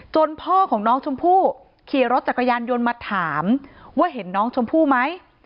พ่อของน้องชมพู่ขี่รถจักรยานยนต์มาถามว่าเห็นน้องชมพู่ไหม